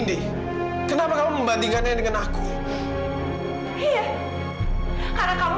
denger ya pak aku gak main main dengan kata kata aku